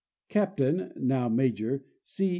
Captain (now Major) C.